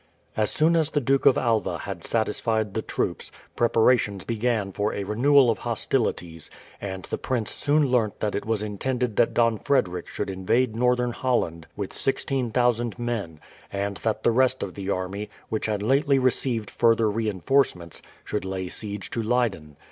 As soon as the Duke of Alva had satisfied the troops, preparations began for a renewal of hostilities, and the prince soon learnt that it was intended that Don Frederick should invade Northern Holland with 16,000 men, and that the rest of the army, which had lately received further reinforcements, should lay siege to Leyden.